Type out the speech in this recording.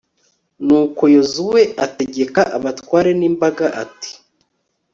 nuko yozuwe ategeka abatware b'imbaga, ati